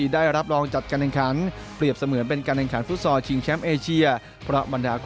การแห่งขันมันอาเซียนวรรษา